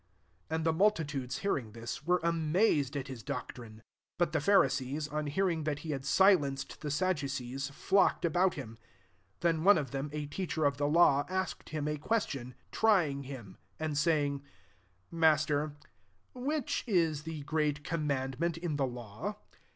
33 And the multitudes hearing thU^ wero amazed at his doctrine* 34 But the Pharisees, on hearing that he had silenced the Sadducees, flocked about him* 35 Then one of them, a teach^ er of the law, asked him a ques^ tion, trying him, and sayings 36 ^ Master, which i# the great commandment in the law